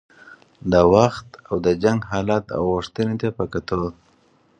د وخت او د جنګ حالت او غوښتنې ته په کتو.